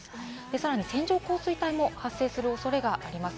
さらに線状降水帯も発生する恐れがあります。